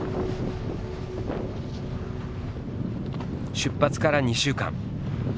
出発から２週間。